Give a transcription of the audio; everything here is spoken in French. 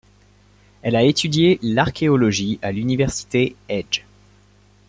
Elle a étudié l'archéologie à l'Université Ege.